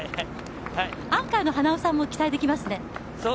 アンカーの花尾さんも期待できますね。